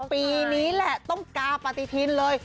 ปีนี้แหละต้องกาปฏิทินเลย